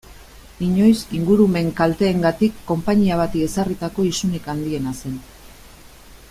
Inoiz ingurumen kalteengatik konpainia bati ezarritako isunik handiena zen.